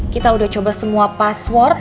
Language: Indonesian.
kita udah coba semua password